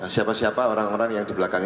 siapa siapa orang orang yang di belakangnya